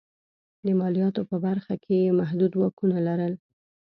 د مالیاتو په برخه کې یې محدود واکونه لرل.